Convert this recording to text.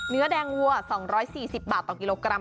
เนื้อแดงวัว๒๔๐บาทต่อกิโลกรัม